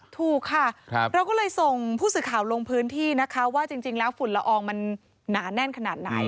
ถูกค่ะเราก็เลยส่งผู้สื่อข่าวลงพื้นที่นะคะว่าจริงแล้วฝุ่นละอองมันหนาแน่นขนาดไหน